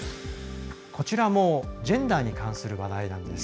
こちらもジェンダーに関する話題なんです。